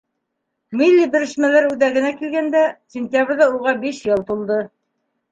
Милли берләшмәләр үҙәгенә килгәндә, сентябрҙә уға биш йыл тулды.